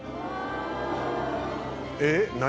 「えっ！何？